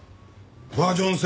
バージョン７